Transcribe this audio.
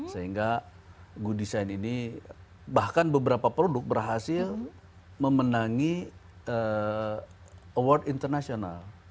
sehingga good design ini bahkan beberapa produk berhasil memenangi award internasional